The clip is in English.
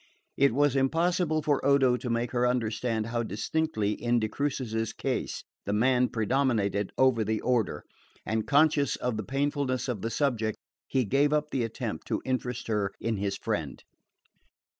It was impossible for Odo to make her understand how distinctly, in de Crucis's case, the man predominated over the order; and conscious of the painfulness of the subject, he gave up the attempt to interest her in his friend.